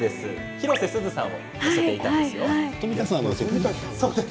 広瀬すずさんを乗せていたんですよ。